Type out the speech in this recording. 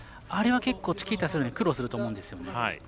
あれは結構チキータするのに苦労すると思うんですよね。